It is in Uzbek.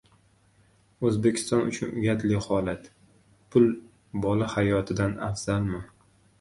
«O‘zbekiston uchun uyatli holat». Pul bola hayotidan afzalmi?